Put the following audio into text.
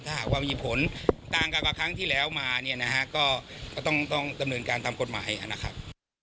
ถ้าหากว่ามีผลต่างกับครั้งที่แล้วมาเนี่ยนะฮะก็ต้องดำเนินการตามกฎหมายนะครับ